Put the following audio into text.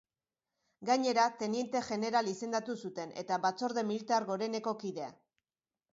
Gainera, teniente jeneral izendatu zuten, eta Batzorde Militar Goreneko kide.